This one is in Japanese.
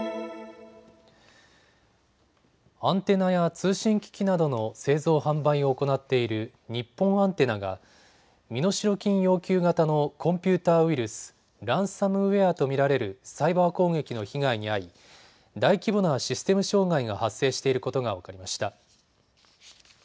アンテナや通信機器などの製造・販売を行っている日本アンテナが身代金要求型のコンピューターウイルス、ランサムウエアと見られるサイバー攻撃の被害に遭い、大規模なシステム障害が発生していることが分かりました。